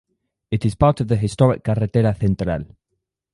It is part of the historic Carretera Central.